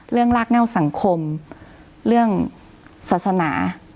เรื่องลากเง่าสังคมเรื่องศาสนา